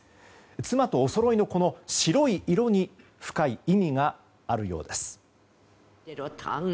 妻とおそろいの白い色に深い意味があるようです。